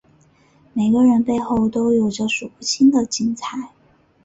每个人背后都有数不清的精彩